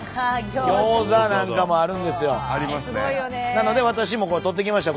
なので私も撮ってきました。